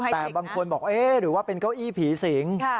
แต่บางคนบอกเอ๊ะหรือว่าเป็นเก้าอี้ผีสิง